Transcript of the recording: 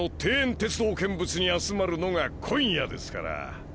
鉄道見物に集まるのが今夜ですから。